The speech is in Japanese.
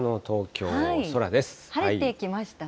晴れてきましたね。